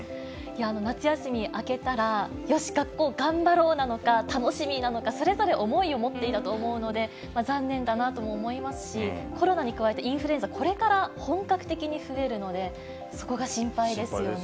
夏休み明けたら、よし学校頑張ろうなのか、楽しみなのか、それぞれ思いを持っていたと思いますので、残念だなとも思いますし、コロナに加えてインフルエンザ、これから本格的に増えるので、心配ですよね。